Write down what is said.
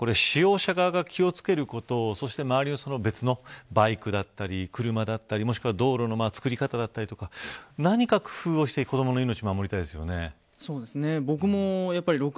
確かに、兼近さん使用者側が気を付けることそして周りがバイクだったり車だったりもしくは道路のつくり方だったりとか何か工夫をして子どもの命を守りたいですよね。